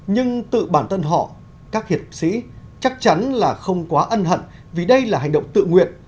nhưng tự bản thân họ các hiệp sĩ chắc chắn là không quá ân hận vì đây là hành động tự nguyện